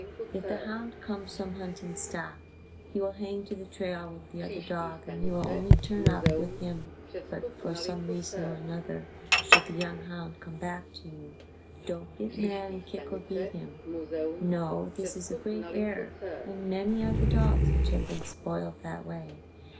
If the hound comes from hunting stock, he will hang to the trail with the other dog and he will only turn up with him but for some reason or another, should the young hound come back to you, "don't get mad and kick or beat him." No, this is a great error and many are the dogs which have been spoiled that way.